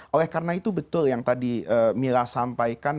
oleh karena itu betul yang tadi mila sampaikan